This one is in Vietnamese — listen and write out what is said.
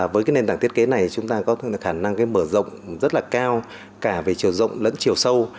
với cái nền tảng thiết kế này chúng ta có khả năng mở rộng rất là cao cả về chiều rộng lẫn chiều sâu